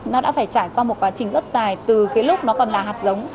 nó đã phải trải qua một quá trình rất tài từ cái lúc nó còn là hạt giống